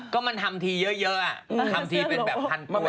ก็มันทำทีเยอะทำทีเป็นแบบพันตัว